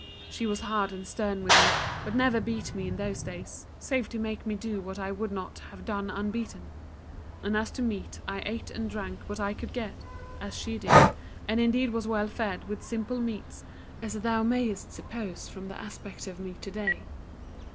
She was hard and stern with me, but never beat me in those days, save to make me do what I would not have done unbeaten; and as to meat I ate and drank what I could get, as she did, and indeed was well fed with simple meats as thou mayest suppose from the aspect of me to day.